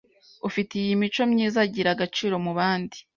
U fi te iyi mico myiza agira agaciro mu bandi;